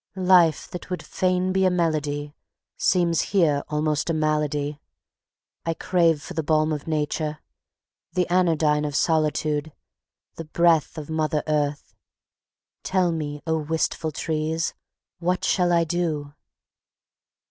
Life, that would fain be a melody, seems here almost a malady. I crave for the balm of Nature, the anodyne of solitude, the breath of Mother Earth. Tell me, O wistful trees, what shall I do?"